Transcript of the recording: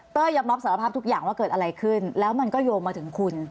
ยอมรับสารภาพทุกอย่างว่าเกิดอะไรขึ้นแล้วมันก็โยงมาถึงคุณ